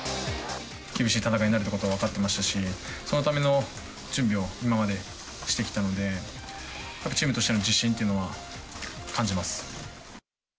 厳しい戦いになるってことは分かってましたし、そのための準備を今までしてきたので、チームとしての自信というのは感じます。